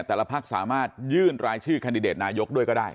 พักสามารถยื่นรายชื่อแคนดิเดตนายกด้วยก็ได้